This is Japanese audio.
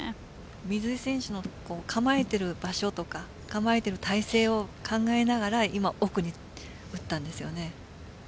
水井選手の構えている場所とか構えている体勢を考えながら今、奥に打ったんですよね。